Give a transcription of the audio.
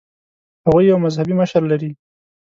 هغوی یو مذهبي مشر لري.